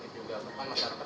dan mengatakan ini